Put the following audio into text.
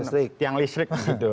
tiang listrik gitu